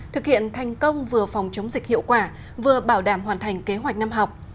thực hiện thành công vừa phòng chống dịch hiệu quả vừa bảo đảm hoàn thành kế hoạch năm học